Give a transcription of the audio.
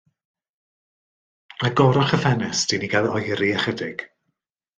Agorwch y ffenest i ni gael oeri ychydig.